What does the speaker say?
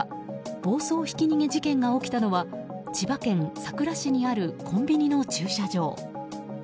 暴走ひき逃げ事件が起きたのは千葉県佐倉市にあるコンビニの駐車場。